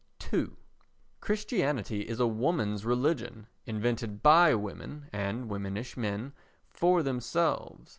ii Christianity is a woman's religion, invented by women and womanish men for themselves.